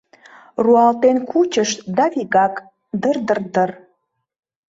Руалтен кучышт да вигак — дыр-дыр-дыр...